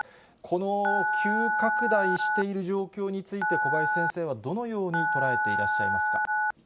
この急拡大している状況について、小林先生はどのように捉えていらっしゃいますか？